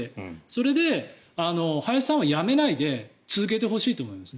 それで林さんは辞めないで続けてほしいと思います。